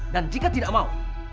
dan jika tidak mau